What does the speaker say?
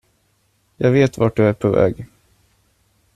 Jag vet vart du är på väg.